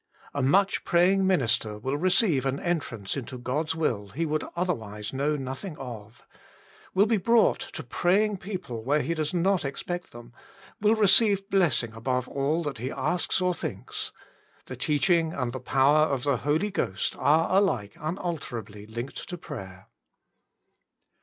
A much praying minister will receive an entrance into God s will he would otherwise know nothing of ; will be brought to praying people where he does not expect THE MINISTRATION OF THE SPIRIT AND PRAYER 27 them; will receive blessing above all he asks or thinks. The teaching and the power of the Holy Ghost are alike unalterably linked to prayer.